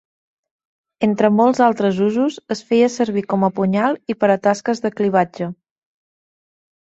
Entre molts altres usos, es feia servir com a punyal i per a tasques de clivatge.